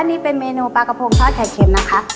นี่เป็นเมนูปลากระโพงทอดใช้เข็มนะคะ